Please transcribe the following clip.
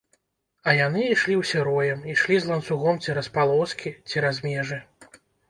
А яны ішлі ўсе роем, ішлі з ланцугом цераз палоскі, цераз межы.